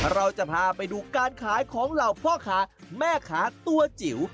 เราจะพาไปดูการขายของเหล่าพ่อค้าแม่ค้าตัวจิ๋ว